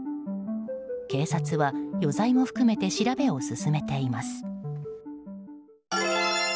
警察は余罪も含めて調べを進めています。